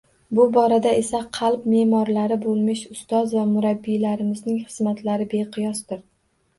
Bu borada esa qalb me'morlari bo‘lmish ustoz va murabbiylarimizning hizmatlari beqiyosdir